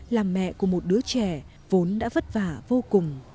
làm mẹ của một đứa trẻ vốn đã vất vả vô cùng